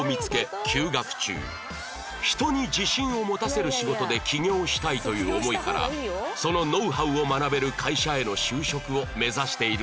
人に自信を持たせる仕事で起業したいという思いからそのノウハウを学べる会社への就職を目指しているんだそう